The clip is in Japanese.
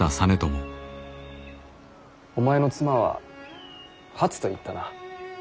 お前の妻は初といったな。